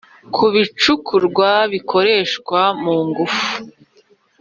ku bicukurwa bikoreshwa mu ngufu